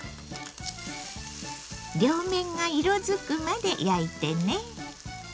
両面が色づくまで焼いてね。